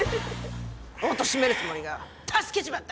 おとしめるつもりが助けちまった！